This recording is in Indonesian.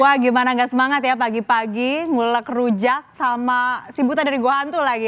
wah gimana gak semangat ya pagi pagi ngulek rujak sama si buta dari gohantu lagi